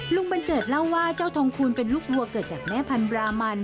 บันเจิดเล่าว่าเจ้าทองคูณเป็นลูกวัวเกิดจากแม่พันธรามัน